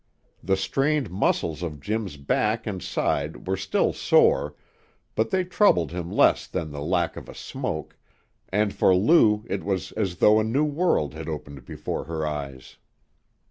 The strained muscles of Jim's back and side were still sore, but they troubled him less than the lack of a smoke, and for Lou it was as though a new world had opened before her eyes.